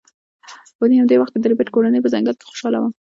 په همدې وخت کې د ربیټ کورنۍ په ځنګل کې خوشحاله وه